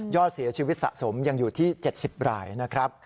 อดเสียชีวิตสะสมยังอยู่ที่๗๐รายนะครับ